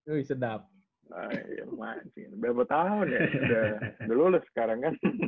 nah iya masih berapa tahun ya udah lulus sekarang kan